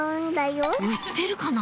売ってるかな？